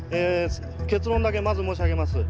結論だけまず申し上げます。